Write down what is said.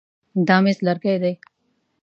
دا مېز لرګی دی.